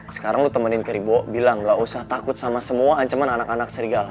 sekarang lo temenin keribu bilang gak usah takut sama semua ancaman anak anak serigala